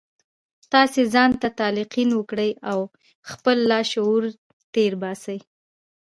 تاسې ځان ته تلقین وکړئ او خپل لاشعور تېر باسئ